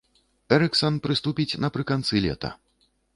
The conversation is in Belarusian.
Эрыксан прыступіць напрыканцы лета.